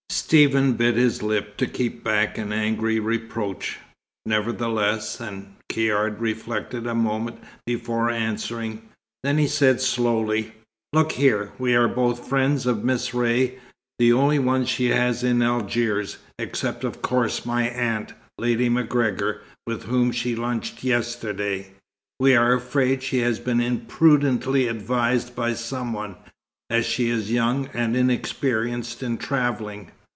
Stephen bit his lip to keep back an angry reproach, nevertheless, and Caird reflected a moment before answering. Then he said slowly; "Look here: we are both friends of Miss Ray, the only ones she has in Algiers, except of course my aunt, Lady MacGregor, with whom she lunched yesterday. We are afraid she has been imprudently advised by some one, as she is young and inexperienced in travelling.